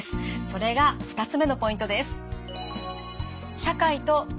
それが２つ目のポイントです。